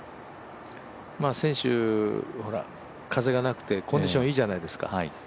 選手、風がなくてコンディションいいじゃないですか。